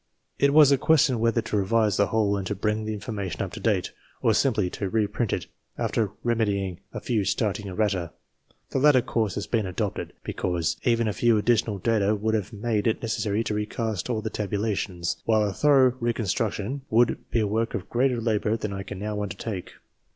It was a question whether to revise the whole and to bring the information up to date, or simply to reprint it after remedying a few staring errata. The latter course has been adopted, because even a few additional data would have made it necessary to recast all the tabulations, while a thorough reconstruction would be a work of greater labour than I can now undertake.